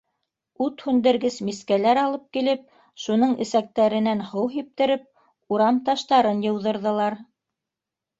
Ут һүндергес мискәләр алып килеп, шуның эсәктәренән һыу һиптереп, урам таштарын йыуҙырҙылар.